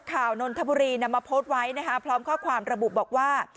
นนทบุรีนำมาโพสต์ไว้นะคะพร้อมข้อความระบุบอกว่า